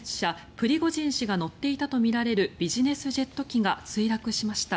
プリゴジン氏が乗っていたとみられるビジネスジェット機が墜落しました。